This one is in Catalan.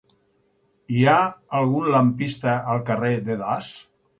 Hi ha algun lampista al carrer de Das?